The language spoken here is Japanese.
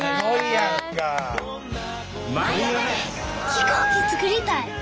飛行機作りたい！